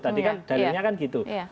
tadi kan dalamnya kan gitu